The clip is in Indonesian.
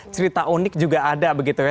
cerita unik juga ada begitu ya